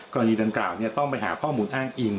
กรณีดังกล่าวต้องไปหาข้อมูลอ้างอิง